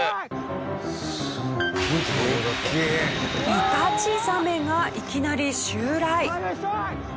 イタチザメがいきなり襲来！